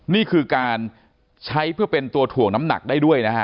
นี่คือการใช้เพื่อเป็นตัวถ่วงน้ำหนักได้ด้วยนะฮะ